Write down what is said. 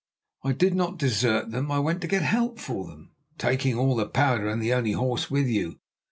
"I did not desert them; I went to get help for them." "Taking all the powder and the only horse with you!